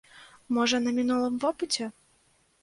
Можа, на мінулым вопыце?